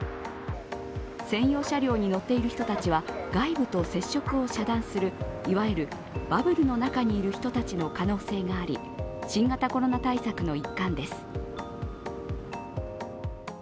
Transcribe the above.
専用車両に乗っている人たちは外部と接触を遮断するいわゆるバブルの中にいる人たちの可能性があり新型コロナ対策の一環です。